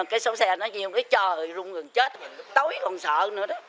cái số xe nó như cái trời rung gần chết tối còn sợ nữa đó